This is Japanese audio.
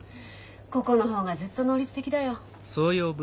ここの方がずっと能率的だよ。